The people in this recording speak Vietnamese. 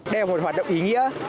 đây là một hoạt động ý nghĩa